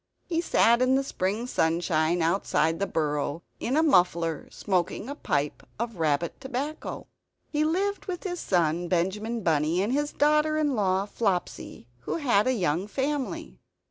He sat in the spring sunshine outside the burrow, in a muffler; smoking a pipe of rabbit tobacco. He lived with his son Benjamin Bunny and his daughter in law Flopsy, who had a young family.